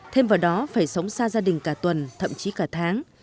thêm vào đó phải sống xa gia đình cả tuần thậm chí cả tháng